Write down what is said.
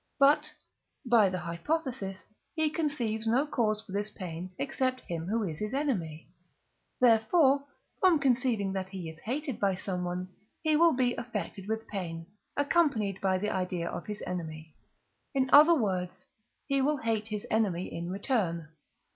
But, by the hypothesis, he conceives no cause for this pain except him who is his enemy; therefore, from conceiving that he is hated by some one, he will be affected with pain, accompanied by the idea of his enemy; in other words, he will hate his enemy in return.